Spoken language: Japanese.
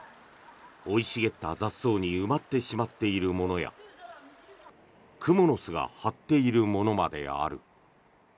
生い茂った雑草に埋まってしまっているものやクモの巣が張っているものまである。